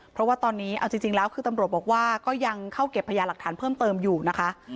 เพราะว่าตอนนี้เอาจริงแล้วคือตำรวจบอกว่าก็ยังเข้าเก็บพยาหลักฐานเพิ่มเติมอยู่นะคะ